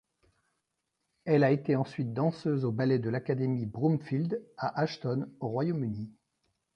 Elle a été ensuite danseuse au Ballet de l'Académie Broomfield à Ashton au Royaume-Uni.